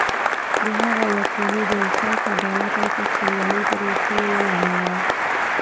د هغه واکمني د انصاف، عدالت او پښتونولي پر اصولو ولاړه وه.